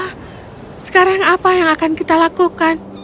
nah sekarang apa yang akan kita lakukan